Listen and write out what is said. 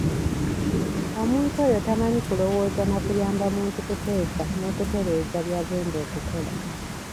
Omuntu oyo tamanyi kulowooza na kuyamba muntu kuteesa n'okutereeza by'agenda okukola.